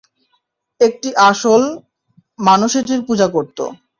একটি আসল, মানুষ এটির পূঁজা করত।